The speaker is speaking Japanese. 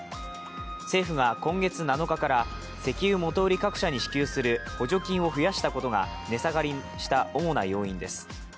政府が今月７日から石油元売り各社に支給する補助金を増やしたことが値下がりした主な要因です。